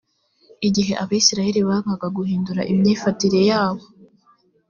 igihe abisirayeli bangaga guhindura imyifatire yabo